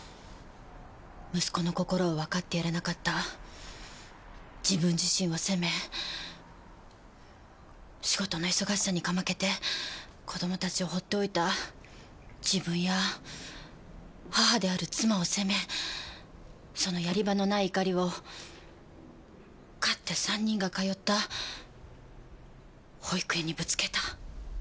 息子の心をわかってやれなかった自分自身を責め仕事に忙しさにかまけて子供たちを放っておいた自分や母である妻を責めそのやり場のない怒りをかつて３人が通った保育園にぶつけた。